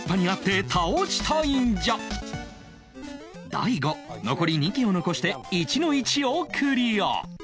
大悟残り２機を残して １−１ をクリア